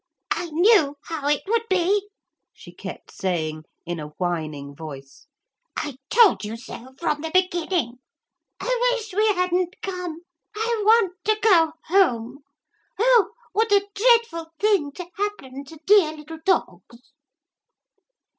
'I knew how it would be,' she kept saying in a whining voice; 'I told you so from the beginning. I wish we hadn't come. I want to go home. Oh! what a dreadful thing to happen to dear little dogs.'